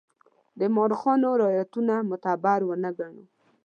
د مورخانو روایتونه معتبر ونه ګڼو.